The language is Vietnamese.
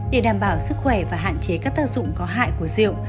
để đảm bảo sức khỏe và hạn chế các tác dụng có hại của rượu